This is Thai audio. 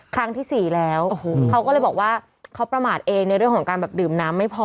ครั้งที่สี่แล้วเขาก็เลยบอกว่าเขาประมาทเองในเรื่องของการแบบดื่มน้ำไม่พอ